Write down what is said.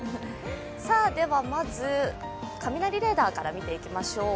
ではまず、雷レーダーから見ていきます。